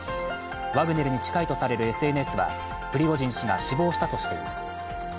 ワグネルに近いとされるＳＮＳは、プリゴジン氏が死亡したとしています。